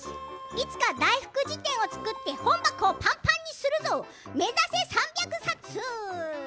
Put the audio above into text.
いつか大福辞典を作って本箱をぱんぱんにするぞ目指せ３００巻！